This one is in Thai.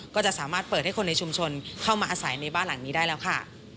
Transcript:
ก็จะสามารถเปิดให้คนในชุมชนเข้ามาอาศัยในบ้านหลังนี้ได้แล้วค่ะ